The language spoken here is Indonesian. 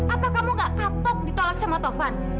apa kamu gak kapok ditolak sama tovan